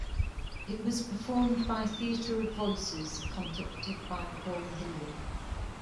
It was performed by Theatre of Voices, conducted by Paul Hillier.